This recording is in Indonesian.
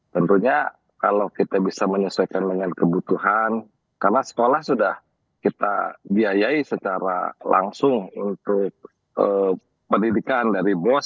tentunya kalau kita bisa menyesuaikan dengan kebutuhan karena sekolah sudah kita biayai secara langsung untuk pendidikan dari bos